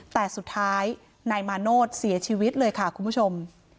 แต่สุดท้ายนายมาโนธเสียชีวิตเลยค่ะคุณผู้ชม